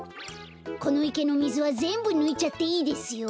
このいけのみずはぜんぶぬいちゃっていいですよ。